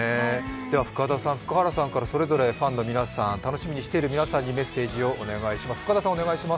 では深田さん、福原さんからファンの皆さん楽しみにしている皆さんにメッセージをお願いします。